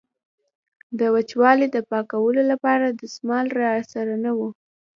د وچولې د پاکولو لپاره دستمال را سره نه و.